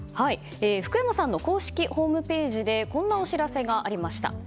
福山さんの公式ホームページでこんなお知らせがありました。